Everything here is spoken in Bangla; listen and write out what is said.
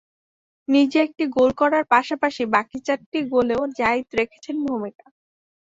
নিজে একটি গোল করার পাশাপাশি বাকি চারটি গোলেও জাহিদ রেখেছেন ভূমিকা।